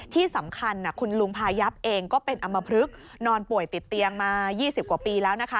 ที่สำคัญคุณลุงพายับเองก็เป็นอำมพลึกนอนป่วยติดเตียงมา๒๐กว่าปีแล้วนะคะ